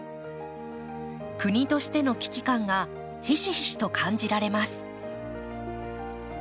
国としての危機感がひしひしと感じられます。